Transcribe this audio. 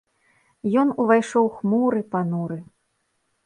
Ён увайшоў хмуры, пануры.